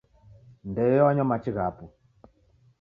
Ndeyo wanywa machi ghapo.